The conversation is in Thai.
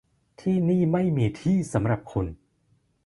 ที่นี่ไม่มีที่สำหรับคุณ